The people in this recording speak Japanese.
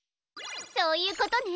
そういうことね。